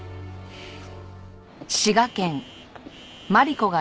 えっ！？